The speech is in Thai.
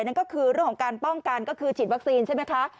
นั่นก็คือเรื่องของการป้องกันก็คือฉีดวัคซีนใช่ไหมคะ